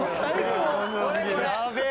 やべえ！